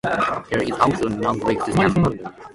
There is also no Greek system.